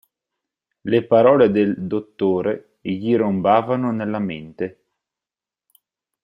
Le parole del «dottore» gli rombavano nella mente.